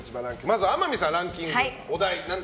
まず、天海さんランキングのお題は？